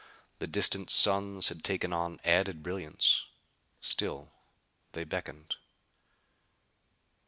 The distant suns had taken on added brilliance. Still they beckoned.